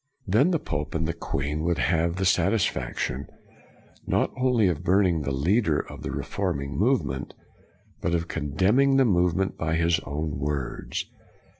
Then the pope and the queen would have the satisfaction, not only of burning the leader of the reforming movement, but of condemning the movement by his own words.